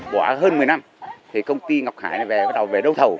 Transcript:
bỏ hơn một mươi năm thì công ty ngọc hải này bắt đầu đấu thầu